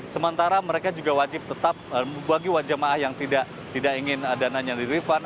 sementara mereka juga wajib tetap bagi jemaah yang tidak ingin dananya di refund